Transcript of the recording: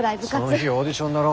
その日オーディションだろ？